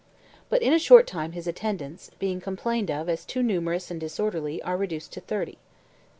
But in a short time his attendants, being complained of as too numerous and disorderly, are reduced to thirty.